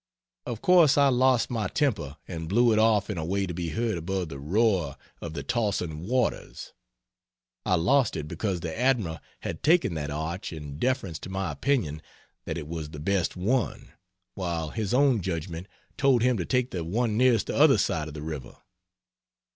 Of course I lost my temper and blew it off in a way to be heard above the roar of the tossing waters. I lost it because the admiral had taken that arch in deference to my opinion that it was the best one, while his own judgment told him to take the one nearest the other side of the river.